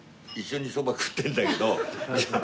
一緒にそば食ってるんだけど。